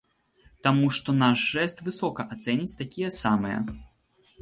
Таму што наш жэст высока ацэняць такія самыя.